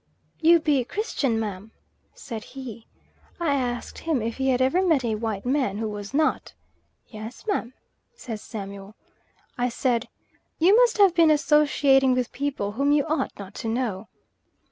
"You be Christian, ma?" said he. I asked him if he had ever met a white man who was not. "Yes, ma," says Samuel. I said "You must have been associating with people whom you ought not to know."